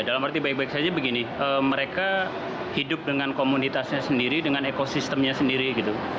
dalam arti baik baik saja begini mereka hidup dengan komunitasnya sendiri dengan ekosistemnya sendiri gitu